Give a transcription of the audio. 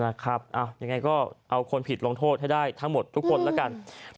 ยังไงก็เอาคนผิดลงโทษให้ได้ทั้งหมดทุกคนแล้วกัน